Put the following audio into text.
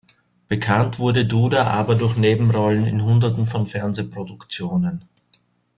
Bekannt wurde Duda aber durch Nebenrollen in hunderten von Fernsehproduktionen.